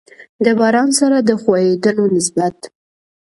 د باران سره د خوييدلو نسبت